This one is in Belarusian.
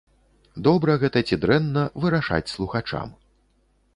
Добра гэта ці дрэнна, вырашаць слухачам.